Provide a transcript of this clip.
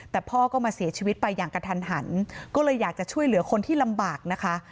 แต่พ่อก็มาเสียชีวิตไปอย่างกระทันหันก็เลยอยากจะช่วยเหลือคนที่ลำบากนะคะ